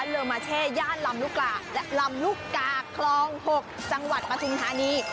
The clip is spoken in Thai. เลอมาเช่ย่านลำลูกกาและลำลูกกาคลอง๖จังหวัดปฐุมธานี